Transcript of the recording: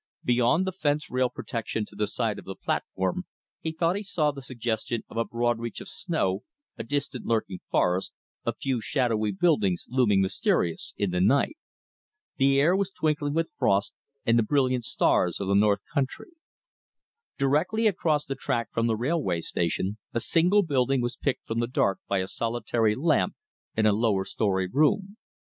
Beyond the fence rail protection to the side of the platform he thought he saw the suggestion of a broad reach of snow, a distant lurking forest, a few shadowy buildings looming mysterious in the night. The air was twinkling with frost and the brilliant stars of the north country. Directly across the track from the railway station, a single building was picked from the dark by a solitary lamp in a lower story room.